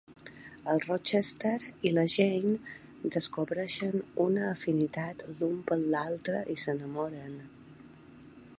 El Rochester i la Jane descobreixen una afinitat l'un per l'altre i s'enamoren.